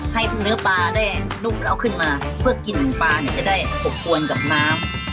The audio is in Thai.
ให้เนื้อปลาได้นุ่มแล้วเอาขึ้นมาเพื่อกินปลาเนี่ยจะได้อบอวนกับน้ำ